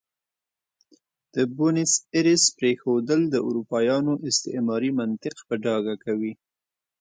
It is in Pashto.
د بونیس ایرس پرېښودل د اروپایانو استعماري منطق په ډاګه کوي.